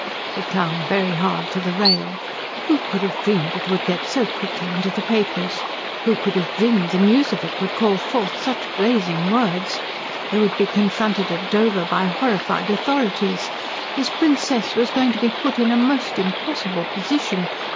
He clung very hard to the rail. Who could have dreamed it would get so quickly into the papers? Who could have dreamed the news of it would call forth such blazing words? They would be confronted at Dover by horrified authorities. His Princess was going to be put in a most impossible position.